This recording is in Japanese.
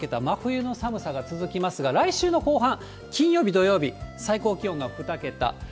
真冬の寒さが続きますが、来週の後半、金曜日、土曜日、最高気温が２桁。